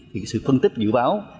thì sự phân tích dự báo